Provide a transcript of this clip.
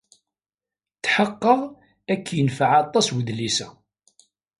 Tḥeqqeɣ ad k-yenfeɛ aṭas wedlis-a.